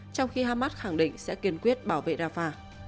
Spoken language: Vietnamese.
trong khi hamas khẳng định sẽ kiên quyết bảo vệ rafah